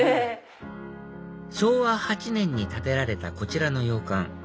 昭和８年に建てられたこちらの洋館